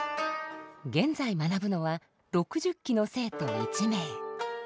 現在学ぶのは６０期の生徒１名。